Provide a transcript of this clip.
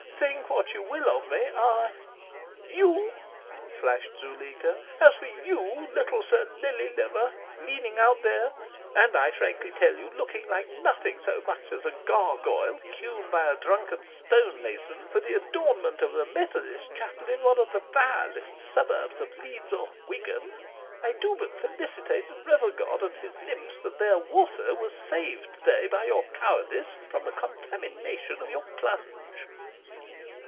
Think what you will of me. I " "You!" flashed Zuleika. "As for you, little Sir Lily Liver, leaning out there, and, I frankly tell you, looking like nothing so much as a gargoyle hewn by a drunken stone mason for the adornment of a Methodist Chapel in one of the vilest suburbs of Leeds or Wigan, I do but felicitate the river god and his nymphs that their water was saved to day by your cowardice from the contamination of your plunge."